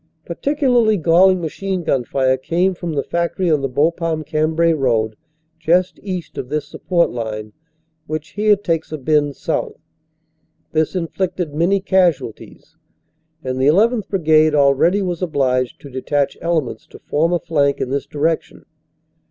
Particularly galling machine gun fire came from the factory on the Bapaume Cambrai road just east of this support line, which here takes a bend south. This inflicted many casualties, and the 1 1th. Brigade already was obliged to detach elements to form a flank in this direction.